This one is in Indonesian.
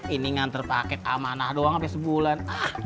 ini ngantar paket amanah doang sampai sebulan